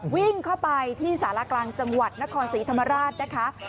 วิ่งเข้าไปที่สารกลางจังหวัดนครศรีธรรมราชนะคะ